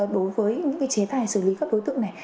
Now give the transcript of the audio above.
đối với những chế tài xử lý các đối tượng này